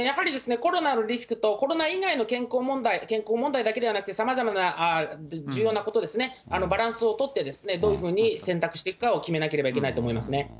コロナのリスクと、コロナ以外の健康問題、健康問題だけではなくてさまざまな重要なことですね、バランスを取って、どういうふうに選択していくかを決めなければいけないと思いますね。